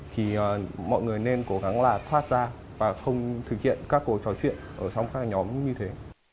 thì mọi người nên cố gắng là thoát ra và không thực hiện các cuộc trò chuyện ở trong các nhóm như thế